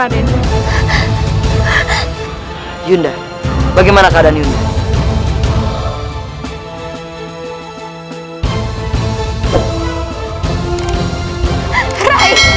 nyai bagaimana keadaan nyai